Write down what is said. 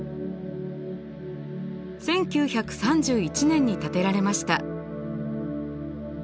１９３１年に建てられました。